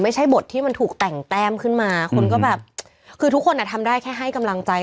ไม่ใช่บทที่มันถูกแต่งแต้มขึ้นมาคนก็แบบคือทุกคนอ่ะทำได้แค่ให้กำลังใจ